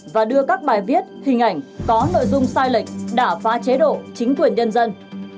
và đưa các bài viết hình ảnh có nội dung sai lệch đà phá chế độ chính quyền nhân dân